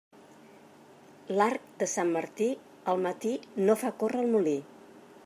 L'arc de Sant Martí al matí no fa córrer el molí.